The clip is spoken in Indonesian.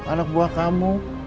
anak buah kamu